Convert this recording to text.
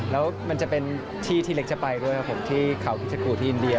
แล้วมันจะเป็นที่ที่เล็กจะไปด้วยครับผมที่เขาพิชกูที่อินเดีย